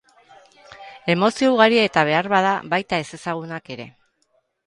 Emozio ugari eta beharbada baita ezezagunak ere.